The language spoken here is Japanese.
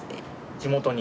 地元に？